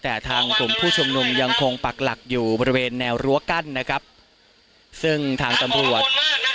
แต่ทางกลุ่มผู้ชุมนุมยังคงปักหลักอยู่บริเวณแนวรั้วกั้นนะครับซึ่งทางตำรวจ